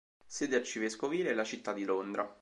Sede arcivescovile è la città di Londra.